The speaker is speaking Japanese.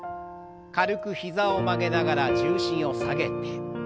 軽く膝を曲げながら重心を下げて。